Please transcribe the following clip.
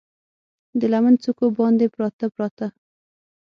د لمن څوکو باندې، پراته، پراته